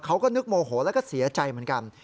เขาก็นึกโมโหแล้วก็เสียใจเหมือนกัน